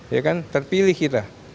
ya kan terpilih kita